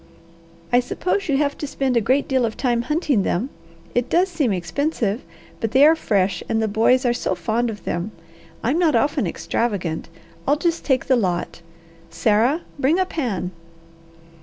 "I suppose you have to spend a great deal of time hunting them? It does seem expensive, but they are fresh, and the boys are so fond of them. I'm not often extravagant, I'll just take the lot. Sarah, bring a pan."